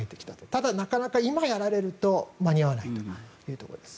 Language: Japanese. ただ、なかなか今やられると間に合わないというところです。